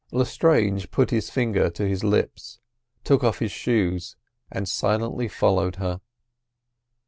Mr Lestrange put his finger to his lips, took off his shoes and silently followed her.